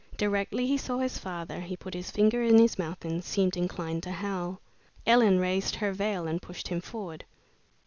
Directly he saw his father, he put his finger in his mouth and seemed inclined to howl. Ellen raised her veil and pushed him forward.